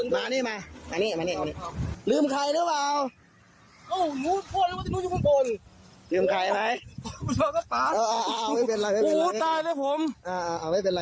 มาผมไม่เห็นคนเดินยืนมานี่มาอันนี้มาเนี่ยลืมใครหรือเปล่า